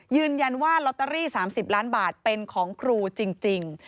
ยืนยันว่าลอตเตอรี่๓๐ล้านบาทเป็นของครูจริง